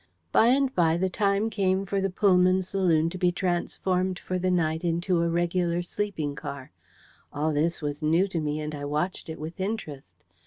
By and by, the time came for the Pullman saloon to be transformed for the night into a regular sleeping car. All this was new to me, and I watched it with interest.